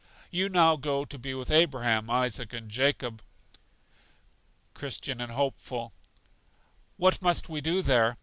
You now go to be with Abraham, Isaac, and Jacob. Christian and Hopeful. What must we do there?